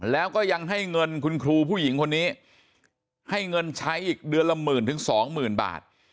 แล้วก็ยังให้เงินคุณครูผู้หญิงคนนี้ให้เงินใช้อีกเดือนละหมื่นถึงสองหมื่นบาท